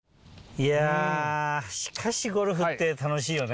いやしかしゴルフって楽しいよね！